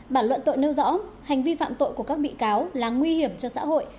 bản luận tội nêu rõ hành vi phạm tội của các bị cáo là nguy hiểm cho xã hội